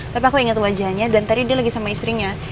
tapi aku ingat wajahnya dan tadi dia lagi sama istrinya